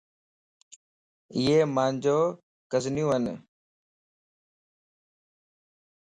ايي مانجو ڪزنيون ون